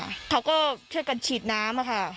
พวกเค้าก็เชื่อกันฉีดน้ำอะค่ะ